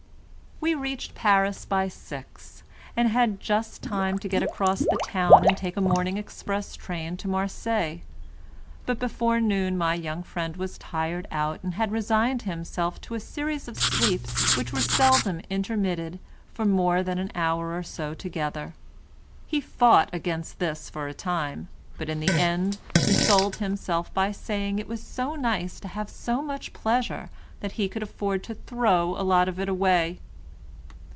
We reached Paris by six, and had just time to get across the town and take a morning express train to Marseilles, but before noon my young friend was tired out and had resigned himself to a series of sleeps which were seldom intermitted for more than an hour or so together. He fought against this for a time, but in the end consoled himself by saying it was so nice to have so much pleasure that he could afford to throw a lot of it away.